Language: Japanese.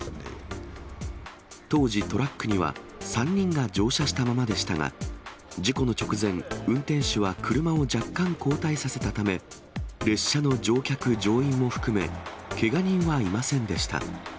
当時、トラックには３人が乗車したままでしたが、事故の直前、運転手は車を若干後退させたため、列車の乗客・乗員も含め、けが人はいませんでした。